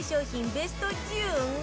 ベスト１５